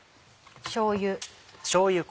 しょうゆ。